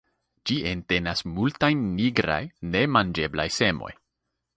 Ĝi entenas multajn nigraj, ne manĝeblaj semoj.